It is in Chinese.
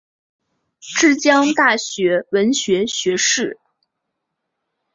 之江大学文学学士。